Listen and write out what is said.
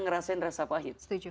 merasakan rasa pahit